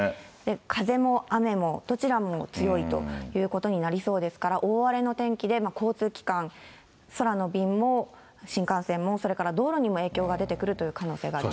風も雨も、どちらも強いということになりそうですから、大荒れの天気で交通機関、空の便も新幹線も、それから道路にも影響が出てくるという可能性があります。